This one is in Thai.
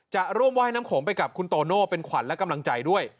จะร่วมว่ายน้ำโขงไปกับคุณโตโน่เป็นขวัญและกำลังใจด้วย